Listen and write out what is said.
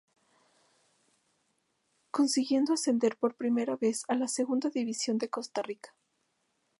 Consiguiendo ascender por primera vez a la Segunda División de Costa Rica.